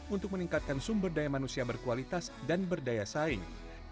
untuk meningkatkan sumber daya manusia berkualitas dan berdaya saing